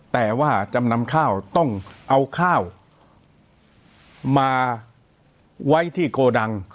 แต่ว่าจำนำข้าวต้องเอาข้าวมาไว้ที่โกดัง